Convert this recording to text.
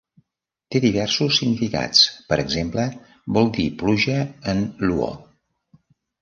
Té diversos significats; per exemple, vol dir "pluja" en luo.